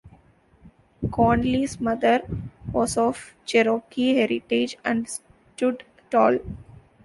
Conley's mother was of Cherokee heritage and stood tall.